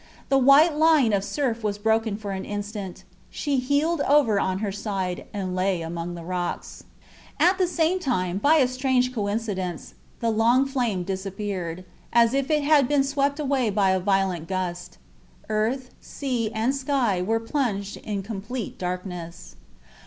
The white line of surf was broken for an instant; she heeled over on her side and lay among the rocks. At the same time, by a strange coincidence, the long flame disappeared, as if it had been swept away by a violent gust. Earth, sea, and sky were plunged in complete darkness.